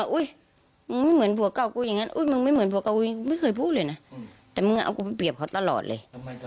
คือตอนที่บู๊เป๊ะกันตรงนี้ใช่ไหมอันนี้คือแลกชีวิตแลกกันเลย